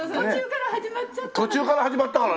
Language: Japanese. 途中から始まっちゃったから。